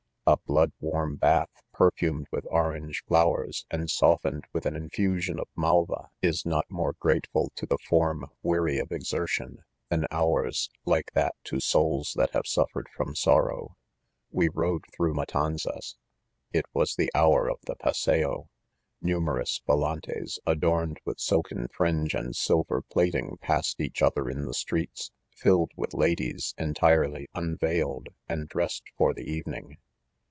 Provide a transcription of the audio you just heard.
"A blood warm bath, perfumed with orange flowers, and softened with an infusion of anal va, is not more grateful to the form weary of exertion, than hours like that to souls thai have suffered from soirow, " We rode through Matanzas ;■— it was the hour o( the pas&eo . N u in er o u s vol antes ad orn ed with silken fringe and silver plating pass ed each other in the streets, filled with ladies entirely unveiled and dressed for the evening.